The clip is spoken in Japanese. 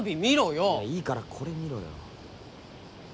いやいいからこれ見ろよ。